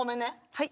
はい。